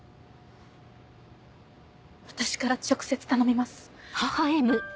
私から直接頼みます。